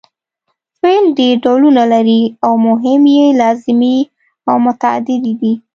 فعل ډېر ډولونه لري او مهم یې لازمي او متعدي دي.